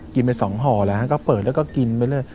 ไป๒ห่อแล้วก็เปิดแล้วก็กินไปเรื่อย